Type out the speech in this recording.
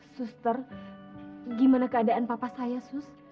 suster gimana keadaan papa saya suster